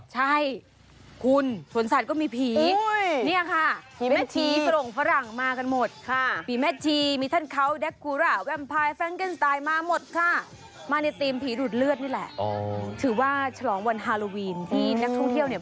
หลังแล้วจริง